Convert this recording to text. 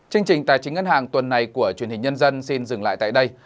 chương trình tài chính ngân hàng tuần này của truyền hình nhân dân xin dừng lại tại đây